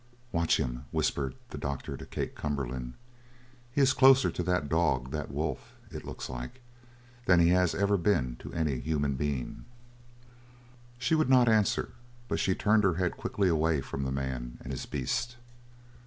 "Watch him!" whispered the doctor to Kate Cumberland. "He is closer to that dog that wolf, it looks like than he has ever been to any human being!" She would not answer, but she turned her head quickly away from the man and his beast.